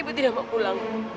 ibu tidak mau pulang